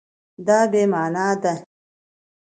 دا بې مانا ده